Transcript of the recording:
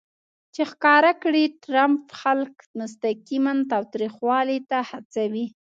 چې ښکاره کړي ټرمپ خلک مستقیماً تاوتریخوالي ته هڅوي